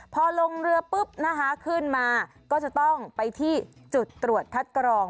พอลงเรือปุ๊บนะคะขึ้นมาก็จะต้องไปที่จุดตรวจคัดกรอง